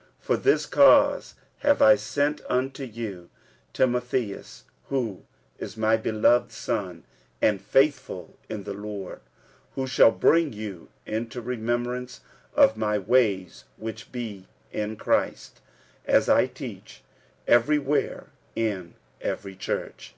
46:004:017 For this cause have I sent unto you Timotheus, who is my beloved son, and faithful in the Lord, who shall bring you into remembrance of my ways which be in Christ, as I teach every where in every church.